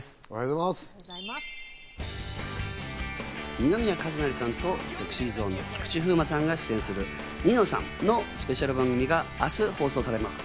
二宮和也さんとＳｅｘｙＺｏｎｅの菊池風磨さんが出演する『ニノさん』のスペシャル番組が明日放送されます。